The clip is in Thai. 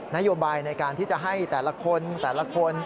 นโยบายในการที่จะให้แต่ละคนแต่ละคน